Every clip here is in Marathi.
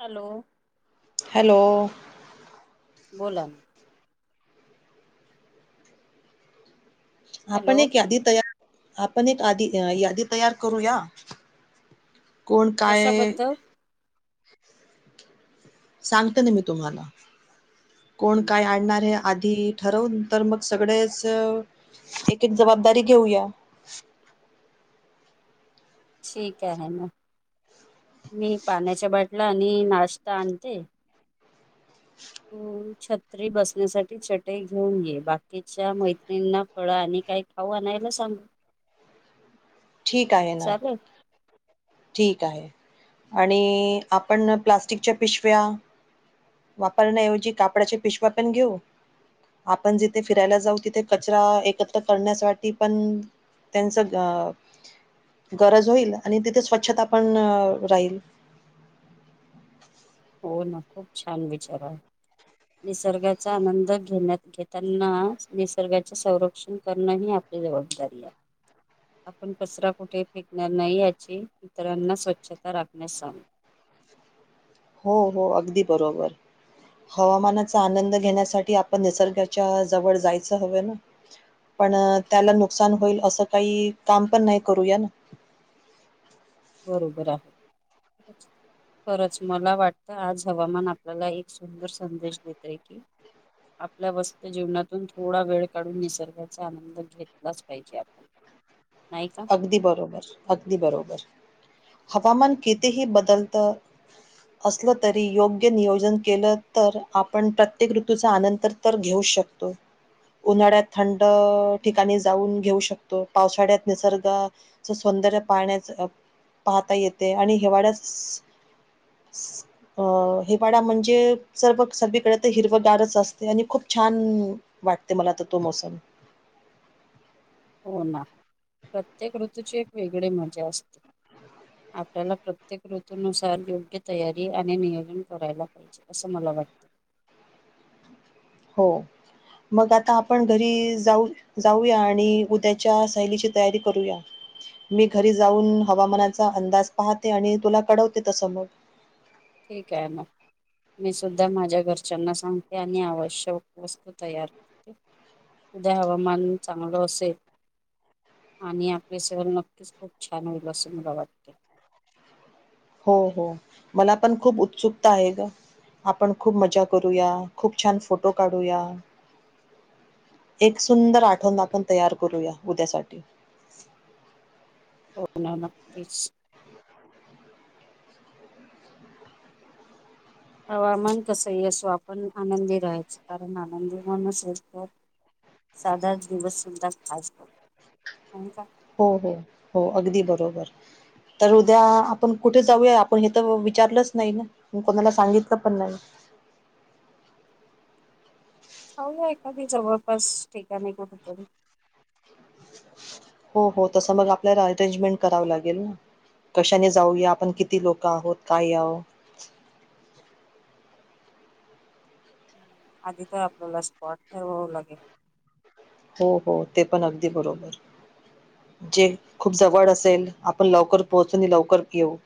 हॅलो! हॅलो! बोला! हॅलो आपण एक यादी तयार, आपण एक आदी यादी तयार करूया. कोण काय? कशाबद्दल सांगते ना मी तुम्हाला कोण काय आणणार हेया. आधी ठरवून तर मग सगडेच एक एक जबाबदारी घेऊया. ठीक आहे ना म मी पाण्याच्या बाटल्या, आणि नाश्ता आणते. तू छत्री बसण्यासाठी चटई घेऊन ये बाकीच्या मैत्रीणीना फळ आणि काही खाऊ आणायला सांगू. ठीक आहे ना! चालेल ठीक आहे आणि आपण प्लास्टिकच्या पिशव्या वापरण्याऐवजी कापडाच्या पिशवा पण घेऊ. आपण जिथे फिरायला जाऊ तिथे कचरा एकत्र करण्यासाठी पण त्यांच गरज होईल आणि तिथे स्वच्छता पण राहील. हो ना खूप छान विचार आहे. निसर्गाचा आनंद घेण्यात घेताना निसर्गाचे संरक्षण करण ही आप ली जबाबदारी आहे. आपण कचरा कुठे फेकणार नाही याची, इतरांना स्वच्छता राखण्यास सांगू. हो हो अगदी बरोबर. हवामानाचा आनंद घेण्यासाठी आपण निसर्गाच्या जवळ जायचं हवं ना. पण त्याला नुकसान होईल असं काही काम पण नाही करूया ना. बरोबर आहे. खरंच मला वाटतं आज हवामान आपल्याला एक सुंदर संदेश देतय की. आपल्या वस्त जीवनातून थोडा वेळ काढून निसर्गाचा आनंद घेतलाच पाहिजे आपण. नाही का? अगदी बरोबर, अगदी बरोबर. हवामान कितीेही बदलतं असलं तरी योग्य नियोजन केलं तर आपण प्रत्येक ऋतूचा आनंदतर तर घेऊ शकतो. उन्हाळ्यात थंड ठिकाणी जाऊन घेऊ शकतो पावसाळ्यात निसर्गच सौंदर्य पाण्याच पाहता येते आणि हिवाळ्या अ हेवाडा म्हणजे सर्व सर्ळीकडे तर हिरवगारच असते आणि खूप छान. वाटते मला तर तो मोसम. हो ना प्रत्येक ऋतूची एक वेगळी मजा असते. आपल्याला प्रत्येक ऋतनुसार योग्य तयारी आणि करायला. असं मला वाटतं. हो मग आता आपण घरी जाऊ. जाऊया आणि उद्याच्या सैलीची तयारी करूया. मी घरी जाऊन हवामानाचा अंदाज पाहते आणि तुला कडवते तस मग. ठीक आहे मग. मी सुद्धा माझ्या घरच्यांना सांगते आणि आवश्यक वस्तू तयार करते. उद्या हवामान चांगलं असेल. आणि आपले सहल नक्कीच खूप छान होईल अस मला वाटते. हो हो मला पण खूप उत्सुकता आहे ग. आपण खूप मजा करूया खूप छान फोटो काढूया. एक सुंदर आठवण आपण तयार करूया उद्यासाठी. हो ना नक्कीच. हवामान कसंही असो आपण आनंदी राहायच कारण आनंदी माणूसच तर साधाच दिवस म्हणतात आज पण. आणि काय. हो हो हो अगदी बरोबर. तर उद्या आपण कुठे जाऊया आपण हे तर विचारलंच नाही ना. म कोणाला सांगितल पण नाही. चाललंय जवळपास ठिकाणी कुठंतरी. हो हो तसं मग आपल्याला अरेंजमेंट करावं लागेल ना. कशाने जाऊया आपण किती लोक आहोत काय आहो. आधी तर आपल्याला स्पॉट ठरवावं लागेल. हो हो ते पण अगदी बरोबर. जे खूप जवळ असेल आपण लवकर पोहोचू न लवकर येऊ.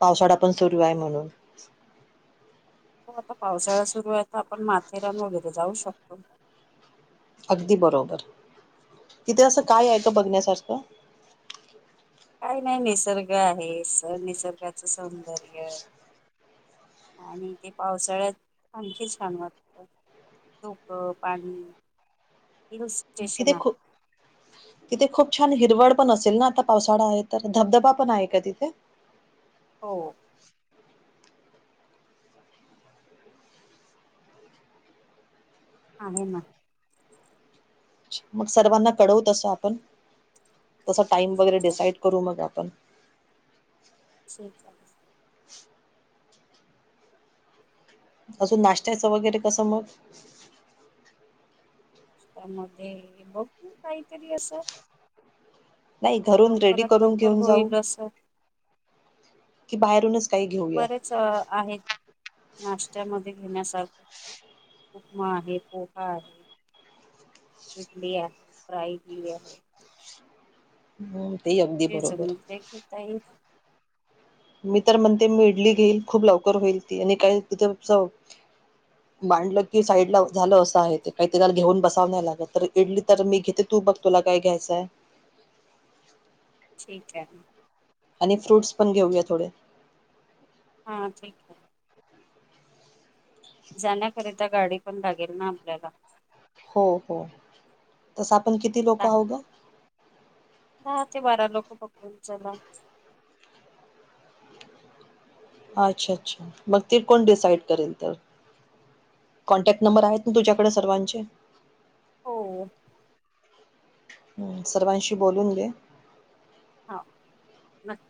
पावसाळा पण सुरू आहे म्हणून. हो आता पावसाळा सुरू आहे तर आपण माथेरान वगैरे जाऊ शकतो. अगदी बरोबर, तिथे असं काय आहे का बघण्यासारखं. काय नाही निसर्ग आहे स निसर्गाचं सौंदर्य. आणि ते पावसाळ्यात आणखी छान वाटतं. [unintelligible] किती खू आहे तिथे खूप छान हिरवळ पण असेल ना आता पावसाळा आहे तर धबधबा पण आहे का तिथे? हो. [unintelligible] मग सर्वांना कळव तस आपण तसा टाइम वगैरे ठीक आहे डिसाइड करू मग आपण. हा अजून नाश्त्याचं वगैरे कसं मग. त्यामध्ये बघू काहीतरी असं. नाही घरून रेडी लवकरात करून लवकर घेऊन जाऊ. होईल असं की, बाहेरूनच काही घेऊया. च आहेत नाश्त्यामध्ये घेण्यासारखं. उपमा आहे पोहा आहे. इडली आहे फ्राय केली आहे. ''हं''ते ही, अगदी बरोबर. काहीच. ''मी तर म्हणते मी इडली घेईल खूप लवकर होईल ती आणि काय तिथे चव. मांडलं कि, साईड ला झालं असं आहे ते काही त्याला घेऊन बसाव नाय लागत तर इडली तर मी घेते. तू बघ तुला काय घ्यायचंय. ठीक आहे मग. आणि फ्रूट्स पण घेऊया थोडे. हा, ठीक आहे. जाण्याकरिता गाडी पण लागेल ना आपल्याला. हो हो, तस आपण किती लोक दहा आहोत ग. दहा ते बारा लोक पकडून चला. अच्छा अच्छा मग ते कोण डिसाईड करेल तर. कॉन्टॅक्ट नंबर आहेत ना तुझ्याकडे सर्वांचे. हो, हम्, सर्वांशी बोलून घे. हा, नक्की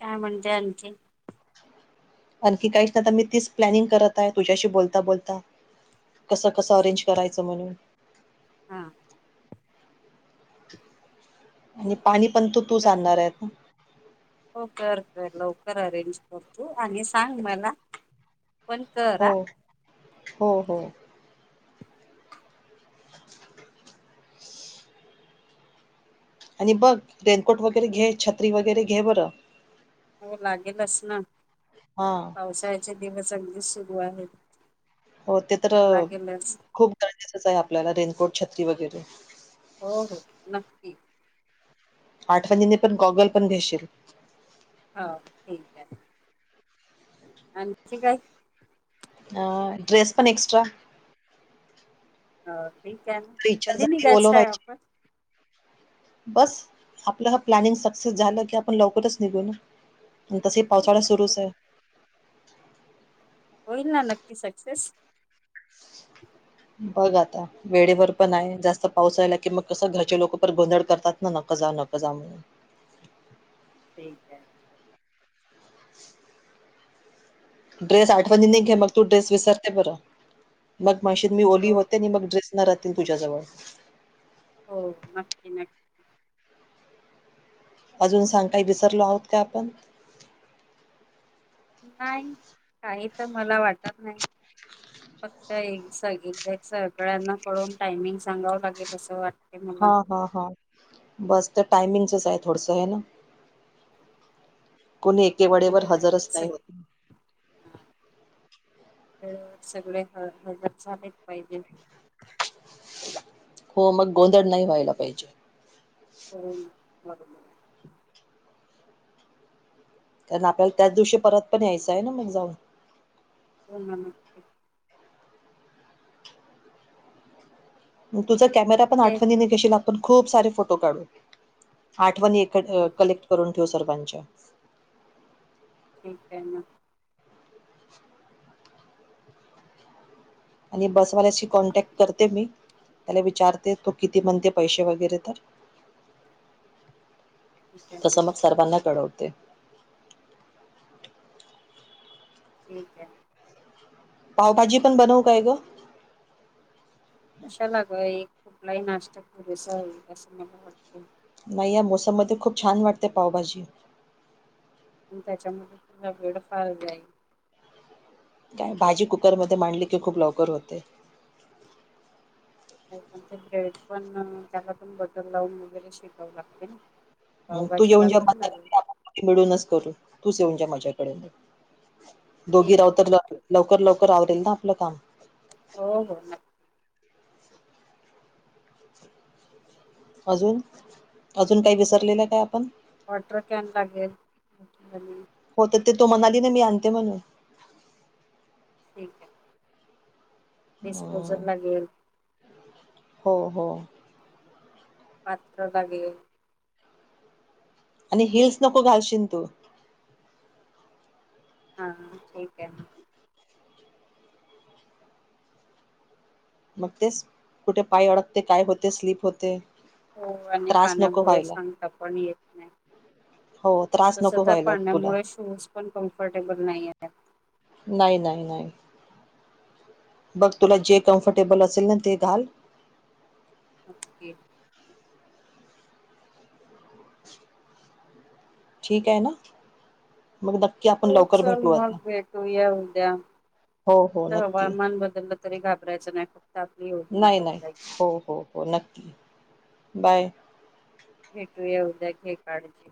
काय म्हणताय आणखीन. आणखी काहीच नाही तर मी तीच प्लॅनिंग करत आहे तुझ्याशी बोलता बोलता. कसं कसं ऑरेंज करायचं म्हणून. हा, आणि पाणी पण तू तूच कर आणणार आहे ना. हो कर लवकर अरेंज करतू आणि सांग मला. पण कर हो हा हो हो, आणि बघ रेनकोट वगैरे घे छत्री वगैरे घे बरं. हो लागेलच ना. हा, पावसाळ्याचे दिवस अगदी सुरू आहेत. हो ते तर खूप गरजेचंच आहे आपल्याला रेनकोट छत्री वगैरे. हो हो, नक्की. आठवणीने पण गॉगल पण घेशील. हो ठीक आहे आणि आणखी काही. अ ड्रेस पण एक्स्ट्रा. हो ठीक आहे तर इच्छा कधी झाली ओलो निघायचं आहे व्हायची आपण. बस आपलं हा प्लॅनिंग सक्सेस झालं की, आपण लवकरच निघू ना. आणि तस पावसाळा ठीक हो, सुरूच आहे. होईल ना नक्की सक्सेस. हो जात आहे. वेळेवर पण आहे जास्त पाऊस राहिला कि, मग कसं घरचे लोक पण गोंधड करतात ना नकं जा नकं जा म्हणून. ठीक आहे. [inaudible] ड्रेस आठवणी नाही घे मग तू ड्रेस विसरते बरं मग माशी मी ओली हो होते आणि मग ड्रेस. नरा तीन पूजाजवळ, हो, की नाही, अजून सांग काही विसरलो आहोत का आपण. नाही काही तर मला वाटत नाही, फक्त एक सागीन एक सकाळ्यांना कळून टायमिंग सांगावं लागेल असं वाटत. हा हा हा बस तर टायमिंगचच आहे थोडसं आहे ना. कोणी एके आणि वडेवर वेळेवर हजरच सग नाही होती. हा सगळे ह हजर झालेच पाहिजे. हो मग गोंधळ नाही व्हायला पाहिजे! हो मग, कारण आपल्याला त्याच दिवशी परत पण यायचं आहे ना मग जाऊन. हम्म, मग तुझ कॅमेरा पण ठीक आहे आठवणीने घेशील आपण खूप सारे फोटो काढू. आठवणी एकत्र ठीक कलेक्ट करून ठेव सर्वांच्या, ठीक आहे ना, आणि बसवाल्याशी कॉन्टॅक्ट करते मी, त्याला विचारते तू किती म्हणते पैसे वगैरे तर, ठीक आहे ना तसं मग सर्वांना कळवते. ठीक आहे. पावभाजी पण बनवू काय गं? कशाला ग, एक कुठलाही नाश्ता पुरेसा होईल, असं मला वाटतंय. नाही या मोसममध्ये खूप छान वाटते पावभाजी. आणि त्याच्यामध्ये तुझा वेळ फार जाईल. काय भाजी कुकरमध्ये मांडली की खूप लवकर होते. हो पण तेरे पण त्याला पण बटर लावून वगैरे शेकाव लागतय ना. हं, तू पावभाजीला येऊन ज्या वेळ लागत नाही. माझ्याकडे आपण दोघी मिळूनच करू, तूच येऊन जा्या माझ्याकडे, दोघी ठीक आहे रावतर ला! लवकर लवकर आवरेल ना आपलं काम. हो हो ना, अजून, अजून काय विसरलेलं काय आपण. वॉटर कॅन लागेल आणि, होत ते तो म्हणाली ना मी आणते म्हणून. ठीक आहे, हं, डिस्पोझल लागेल. हो हो. पात्र लागेल. आणि हिल्स नको घालशीलन तू, हा, ठीक आहे ना, मग तेच, कुठे पाय अडकते काय होते, स्लीप होते, आणि त्रास नको पाण्यामुळे व्हायला सांगता पण येत नाही. हो तर आत, तस तर पाण्यामुळे शूज पण कम्फर्टेबल नाही आहे. नाही नाही नाही. बग तुला जे कम्फर्टेबल असेल ना ते घाल. ओके. ठीक आहे ना? मग नक्की आपण हो लवकर चल भेटू मग आता भेटूया उद्या, हो हो नक्की हवामान बदलल त तरी घाबरायचं नाही खु नाही नाही, हो हो, हो नक्की, बाय. भेटूया उद्या, घे काळजी.